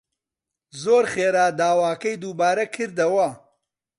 زۆر خێرا داواکەی دووبارە کردەوە